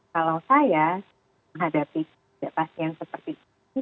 kalau saya menghadapi ketidakpastian seperti ini